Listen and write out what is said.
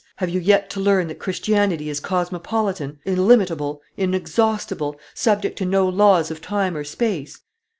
Have you yet to learn that Christianity is cosmopolitan, illimitable, inexhaustible, subject to no laws of time or space?